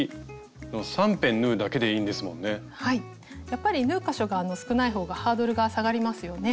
やっぱり縫う箇所が少ない方がハードルが下がりますよね。